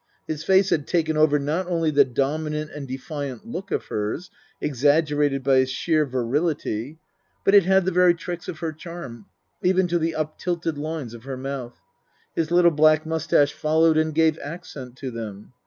His face had taken over not only the dominant and defiant look of hers, exaggerated by his sheer virility ; but it had the very tricks of her charm, even to the uptilted lines of her mouth ; his little black moustache followed and gave accent to them.